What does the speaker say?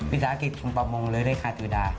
วิทยาลัยอังกฤษสมปรบมงค์เลยได้ค่ะสุดา